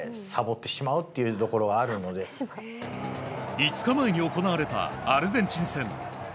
５日前に行われたアルゼンチン戦。